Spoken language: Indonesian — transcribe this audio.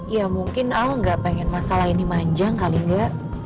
ya mungkin al ga pengen masalah ini manjang kali ga